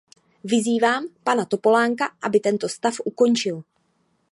Vyzývám pana Topolánka, aby tento stav ukončil.